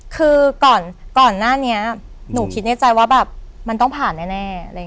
คือก่อนหน้านี้หนูคิดในใจว่าแบบมันต้องผ่านแน่